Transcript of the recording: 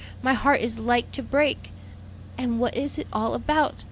my heart is like to break! "And what is it all about?